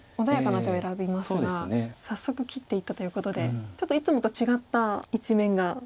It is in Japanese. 穏やかな手を選びますが早速切っていったということでちょっといつもと違った一面が。